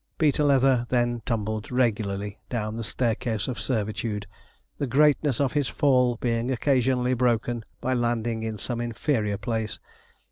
Peter Leather then tumbled regularly down the staircase of servitude, the greatness of his fall being occasionally broken by landing in some inferior place.